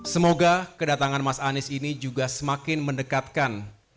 semoga kedatangan mas anies ini juga semakin mendekatkan